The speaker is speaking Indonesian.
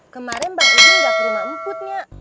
kemarin mbak udin nggak ke rumah umput nyak